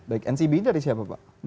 mcb dari siapa pak